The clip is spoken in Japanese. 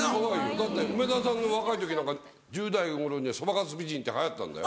だって梅沢さんの若い時なんか１０代頃にはそばかす美人って流行ったんだよ。